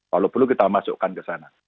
kalau perlu kita masukkan ke sana